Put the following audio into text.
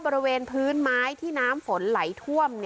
บริเวณพื้นไม้ที่น้ำฝนไหลท่วม